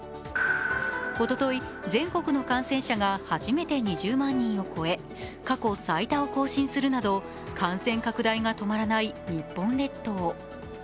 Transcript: おととい全国の感染者が初めて２０万人を超え過去最多を更新するなど感染拡大が止まらない日本列島。